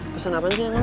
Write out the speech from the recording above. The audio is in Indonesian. pesen apaan sih emang